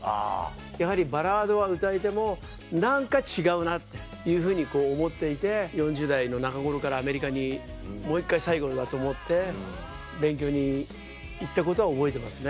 やはりバラードは歌えても何か違うなっていうふうに思っていて４０代の中頃からアメリカにもう１回最後だと思って勉強に行ったことは覚えてますね。